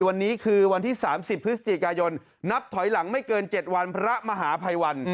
วันนี้คือวันที่๓๐พฤศจิกายนนับถอยหลังไม่เกิน๗วันพระมหาภัยวัน